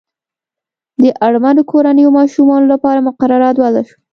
د اړمنو کورنیو ماشومانو لپاره مقررات وضع شول.